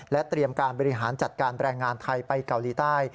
เตรียมการบริหารจัดการแรงงานไทยไปเกาหลีใต้